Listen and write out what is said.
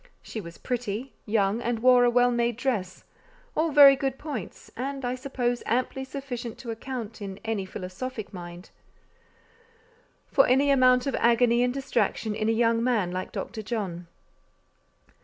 She was pretty, young, and wore a well made dress. All very good points, and, I suppose, amply sufficient to account, in any philosophic mind, for any amount of agony and distraction in a young man, like Dr. John.